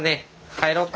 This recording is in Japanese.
帰ろうか。